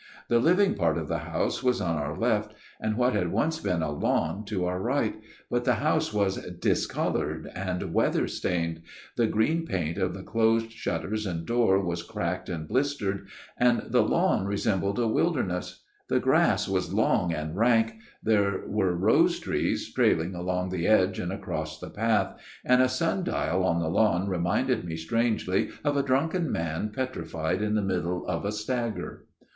The living part of the house was on our left ; and what had once been a lawn to our right ; but the MY OWN TALE 289 house was discoloured and weather stained ; the green paint of the closed shutters and door was cracked and blistered ; and the lawn resembled a wilderness ; the grass was long and rank ; there were rose trees trailing along the edge and across the path ; and a sun dial on the lawn reminded me strangely of a drunken man petrified in the middle of a stagger.